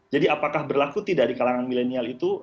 jadi apakah berlaku tidak di kalangan milenial itu